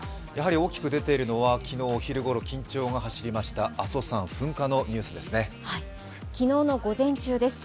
大きく出ているのは、昨日お昼頃大きな緊張が起きました阿蘇山噴火のニュースですね。